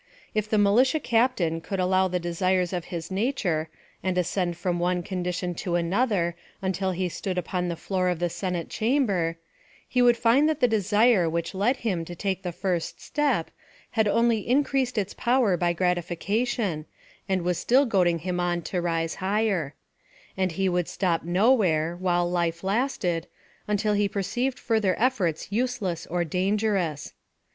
If the militia captain could follow the desires of his nature, and ascend fiom one condition to another until he stood upon the floor of the senate chamber, he would find tliat the desire which led him to take the first step, had only increased its power by gratification, and 136 PHILOSOPHY OP THE was still goading him on to rise higher: and he would stop nowhere, while life lasted, until ho per ceived farther efforts useless or dangerous.